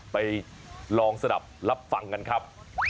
ไปลองสนับรับฟังกันครับ